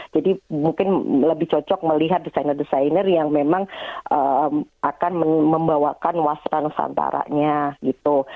jadi mungkin lebih cocok melihat desainer desainer yang memang akan membawakan waspang santaranya gitu